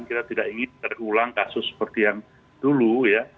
kita tidak ingin terulang kasus seperti yang dulu ya